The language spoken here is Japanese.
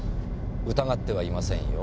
疑ってはいませんよ。